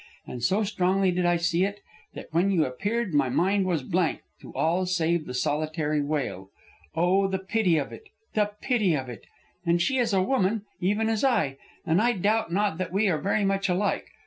And so strongly did I see it, that when you appeared my mind was blank to all save the solitary wail, Oh, the pity of it! The pity of it! And she is a woman, even as I, and I doubt not that we are very much alike.